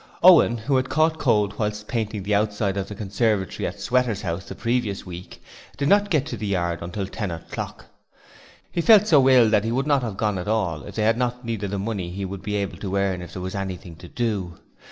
Owen who had caught cold whilst painting the outside of the conservatory at Sweater's house the previous week did not get to the yard until ten o'clock. He felt so ill that he would not have gone at all if they had not needed the money he would be able to earn if there was anything to do.